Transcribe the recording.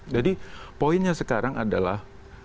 jadi poinnya sekarang adalah